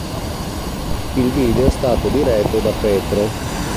Il video è stato diretto da Petro.